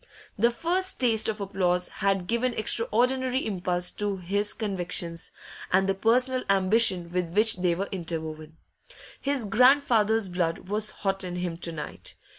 The first taste of applause had given extraordinary impulse to his convictions, and the personal ambition with which they were interwoven. His grandfather's blood was hot in him to night.